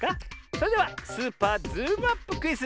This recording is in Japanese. それでは「スーパーズームアップクイズ」